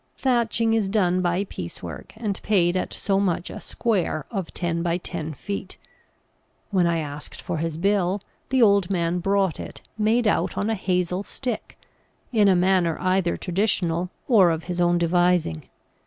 Thatching is done by piece work, and paid at so much a "square" of ten by ten feet. When I asked for his bill, the old man brought it made out on a hazel stick, in a manner either traditional, or of his own devising.